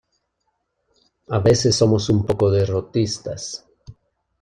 A veces somos un poco derrotistas.